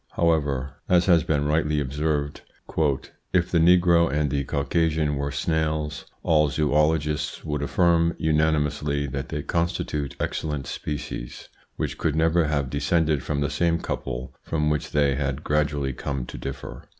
However, as has been rightly observed, " if the Negro and the Caucasian were snails, all zoologists would affirm unanimously that they constitute excellent species, which could never have descended from the same couple from which they had gradually come to differ."